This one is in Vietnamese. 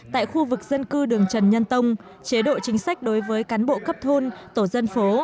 tại khu vực dân cư đường trần nhân tông chế độ chính sách đối với cán bộ cấp thôn tổ dân phố